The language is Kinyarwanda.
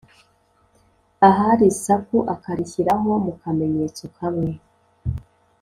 ahari isaku akarishyiraho mu kamenyetso kamwe